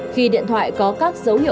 đi lên vỉa hè